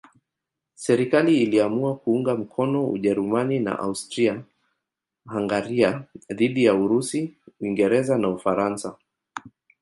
Serikali iliamua kuunga mkono Ujerumani na Austria-Hungaria dhidi ya Urusi, Uingereza na Ufaransa.